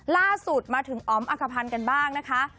ล่าสุดมาถึงอ๋อมอักภัณฑ์กันบ้างนะคะ